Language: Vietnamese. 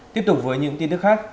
tiếp tục với những tin tức khác